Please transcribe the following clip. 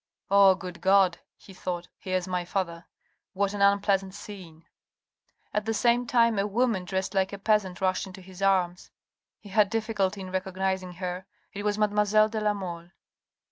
"Oh! good God," he thought, "here's my father ! What an unpleasant scene !" At the same time a woman dressed like a peasant rushed into his arms. He had difficulty in recognising her. It was mademoiselle de la Mole.